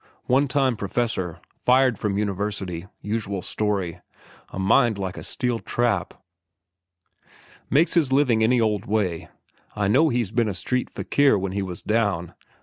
One time professor—fired from university—usual story. A mind like a steel trap. Makes his living any old way. I know he's been a street fakir when he was down.